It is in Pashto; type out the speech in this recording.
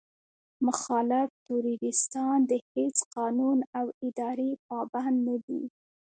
مخالف تروريستان د هېڅ قانون او ادارې پابند نه دي.